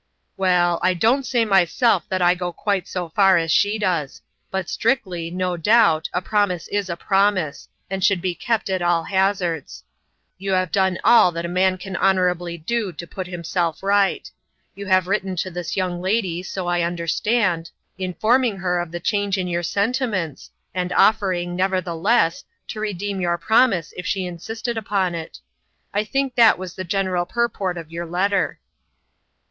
" Well, I don't say myself that I go quite so far as she does ; but strictly, no doubt, a prom ise is a promise, and should be kept at all haz ards. You have done all that a man can hon orably do to put himself right. You have written to this young lady, so I understand, in I) is cton Coin. 155 informing her of the change in your senti ments, and offering, nevertheless, to redeem your promise if she insisted upon it. I think that was the general purport of your letter."